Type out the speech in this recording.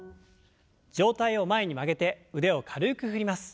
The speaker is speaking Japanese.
上体を前に曲げて腕を軽く振ります。